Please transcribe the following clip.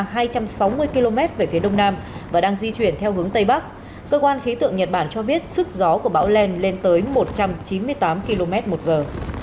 bão len đang di chuyển vào hai trăm sáu mươi km về phía đông nam và đang di chuyển theo hướng tây bắc cơ quan khí tượng nhật bản cho biết sức gió của bão len lên tới một trăm chín mươi tám km một giờ